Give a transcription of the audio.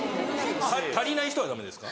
足りない人はダメですか？